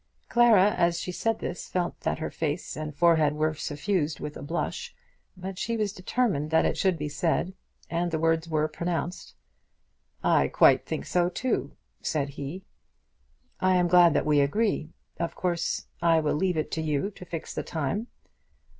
Clara as she said this felt that her face and forehead were suffused with a blush; but she was determined that it should be said, and the words were pronounced. "I quite think so too," said he. "I am glad that we agree. Of course, I will leave it to you to fix the time."